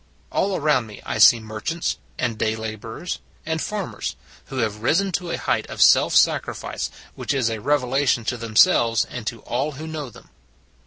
All around me I see merchants, and day laborers, and farm ers who have risen to a height of self sacrifice which is a revelation to themselves and to all who know them.